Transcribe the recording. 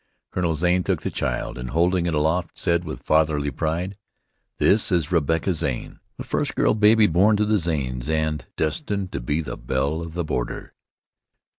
Colonel Zane took the child and, holding it aloft, said with fatherly pride: "This is Rebecca Zane, the first girl baby born to the Zanes, and destined to be the belle of the border."